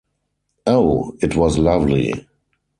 Oh, it was lovely!